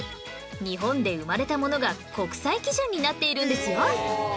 日本で生まれたものが国際基準になっているんですよ